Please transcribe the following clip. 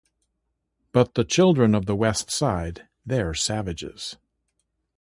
But the children of the West Side - they're savage.